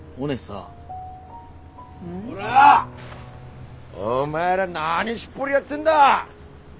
ん？こら！お前ら何しっぽりやってんだ。